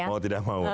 mau tidak mau ya